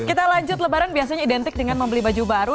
kita lanjut lebaran biasanya identik dengan membeli baju baru